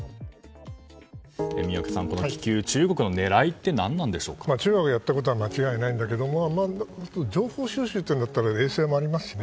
宮家さん、この気球中国の狙いは中国がやったことは間違いないんだけど情報収集というんだったら衛星もありますしね。